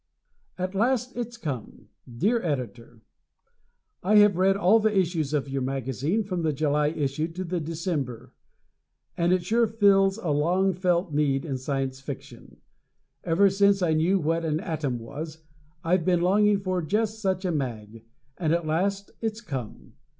"At Last It's Come" Dear Editor: I have read all the issues of your magazine from the July issue to the December, and it sure fills a long felt need in Science Fiction. Ever since I knew what an atom was I've been longing for just such a mag, and at last it's come.